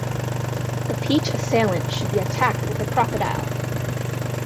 The peach assailant should be attacked with a crocodile!